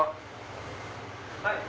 はい。